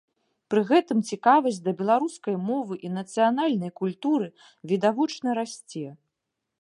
Пры гэтым цікавасць да беларускай мовы і нацыянальнай культуры відавочна расце.